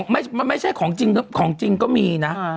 ไม่ใช่ของจริงของจริงก็มีนะ